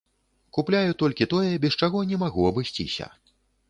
Купляю толькі тое, без чаго не магу абысціся.